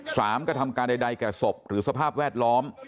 กระทำการใดแก่ศพหรือสภาพแวดล้อม